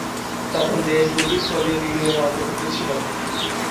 তখন দেশ দুটি সোভিয়েত ইউনিয়ন এর অন্তর্ভুক্ত ছিল।